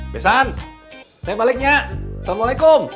besan saya baliknya assalamualaikum